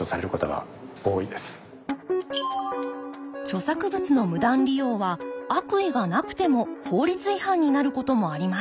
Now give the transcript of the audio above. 著作物の無断利用は悪意がなくても法律違反になることもあります。